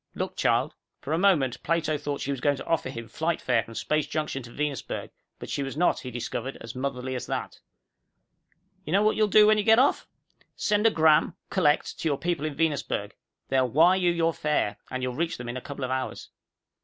Look, child." For a moment Plato thought she was going to offer him flight fare from Space Junction to Venusberg, but she was not, he discovered, as motherly as that. "You know what you'll do when you get off? Send a 'gram, collect, to your people in Venusberg. They'll wire you your fare. And you'll reach them in a couple of hours."